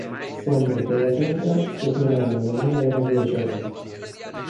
Sembra che la Terra stia tornando a una nuova era glaciale.